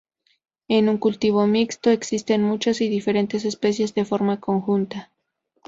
En un cultivo mixto, existen muchas y diferentes especies de forma conjunta.